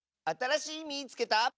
あたらしい「みいつけた！」。